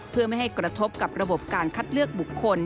เพื่อไม่ให้กระทบกับระบบการคัดเลือกบุคคล